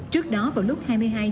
trước đó vào lúc hai mươi hai h